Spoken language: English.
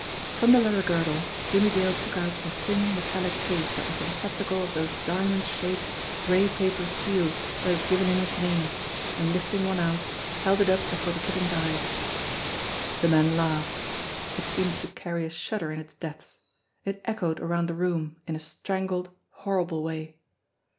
From the leather girdle Jimmie Dale took out the thin, metallic case that was the receptacle of those diamond shaped, gray paper seals that had given him his name, and, lifting one out, held it up before the Kitten's eyes. THE LAIR 285 The man laughed. It seemed to carry a shudder in its depths. It echoed around the room in a strangled, horrible way.